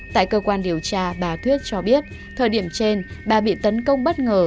tại cơ quan điều tra bà thuyết cho biết thời điểm trên bà bị tấn công bất ngờ